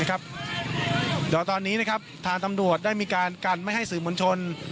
นี่ครับเดี๋ยวตอนนี้นะครับทางตำรวจได้มีการกันไม่ให้สื่อมนชน